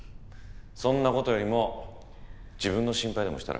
そんなことよりも自分の心配でもしたら？